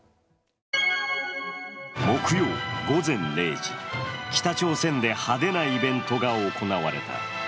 木曜午前０時、北朝鮮で派手なイベントが行われた。